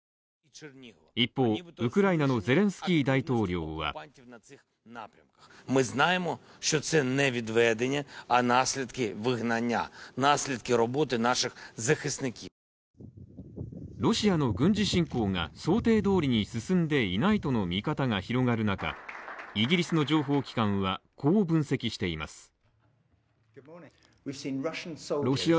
一方、ウクライナのゼレンスキー大統領はロシアの軍事侵攻が想定どおりに進んでいないとの見方が広がる中イギリスの情報機関はこう分析しています。